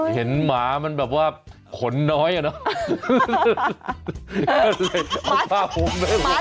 หมามันแบบว่าขนน้อยอ่ะเนอะ